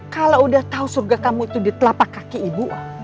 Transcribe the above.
kalau udah tahu surga kamu itu di telapak kaki ibu